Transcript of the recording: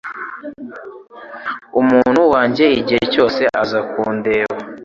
umuntu wanjye Igihe cyose uza kundeba